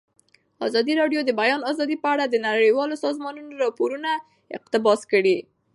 ازادي راډیو د د بیان آزادي په اړه د نړیوالو سازمانونو راپورونه اقتباس کړي.